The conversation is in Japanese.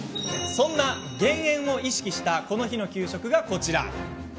そんな減塩を意識したこの日の給食がこちら。